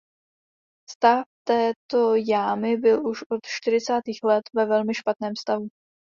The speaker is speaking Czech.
Stav této jámy byl už od čtyřicátých let ve velmi špatném stavu.